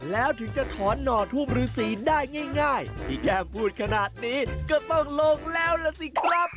แล้วถึงจะถอนหน่อทูบฤษีได้ง่ายพี่แก้มพูดขนาดนี้ก็ต้องลงแล้วล่ะสิครับ